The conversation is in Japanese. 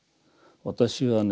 「私はね